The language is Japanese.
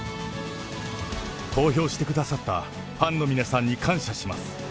投票してくださったファンの皆さんに感謝します。